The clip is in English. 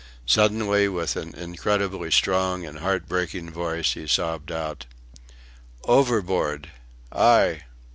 Suddenly with an incredibly strong and heartbreaking voice he sobbed out: "Overboard!... I!...